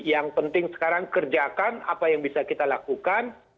yang penting sekarang kerjakan apa yang bisa kita lakukan